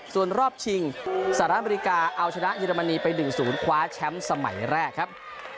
ส่วนรอบชิงสหรัฐอเมริกาเอาชนะเยอรมนีไป๑๐คว้าแชมป์สมัยแรกครับ